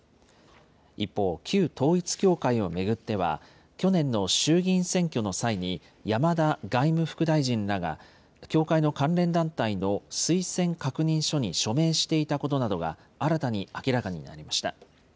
一方、旧統一教会を巡っては、去年の衆議院選挙の際に、山田外務副大臣らが教会の関連団体の推薦確認書に署名していたことなどが新たに明らかになりました。